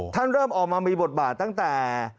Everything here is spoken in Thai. เริ่มออกมามีบทบาทตั้งแต่